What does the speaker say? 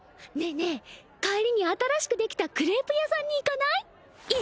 え帰りに新しくできたクレープ屋さんに行かない？